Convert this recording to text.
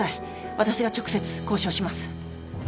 私が直接交渉します。